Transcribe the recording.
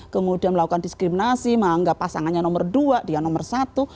kemudian melakukan diskriminasi menganggap pasangannya nomor dua dia nomor satu